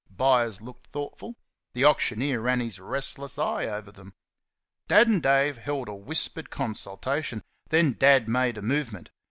Buyers looked thoughtful. The auctioneer ran his restless eyes over them. Dad and Dave held a whispered consultation; then Dad made a movement.